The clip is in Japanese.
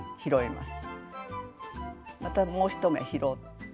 またもう１目拾って。